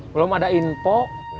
belum ada info